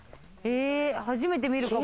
初めて見るかも。